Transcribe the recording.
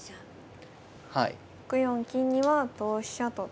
６四金には同飛車と。